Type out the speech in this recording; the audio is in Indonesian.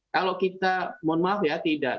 kalau kita mohon maaf ya tidak